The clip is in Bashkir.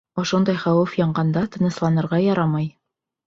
Ошондай хәүеф янағанда тынысланырға ярамай.